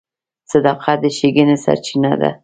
• صداقت د ښېګڼې سرچینه ده.